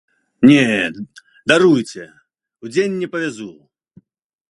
Не, даруйце, удзень не павязу!